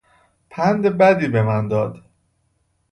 پند بدی به من داد.